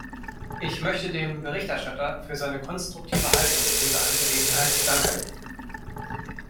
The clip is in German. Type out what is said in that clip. Ich möchte dem Berichterstatter für seine konstruktive Haltung in dieser Angelegenheit danken.